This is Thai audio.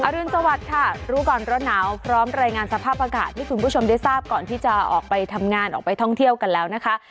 รุนสวัสดิ์ค่ะรู้ก่อนร้อนหนาวพร้อมรายงานสภาพอากาศให้คุณผู้ชมได้ทราบก่อนที่จะออกไปทำงานออกไปท่องเที่ยวกันแล้วนะคะ